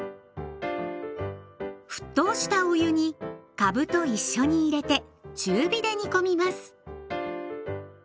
沸騰したお湯にかぶと一緒に入れて中火で煮込みます。